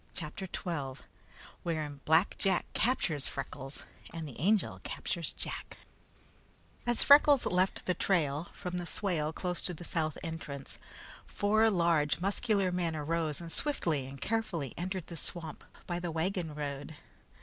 CHAPTER XII Wherein Black Jack Captures Freckles and the Angel Captures Jack As Freckles left the trail, from the swale close the south entrance, four large muscular men arose and swiftly and carefully entered the swamp by the wagon road.